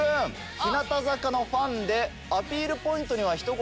日向坂のファンでアピールポイントにはひと言。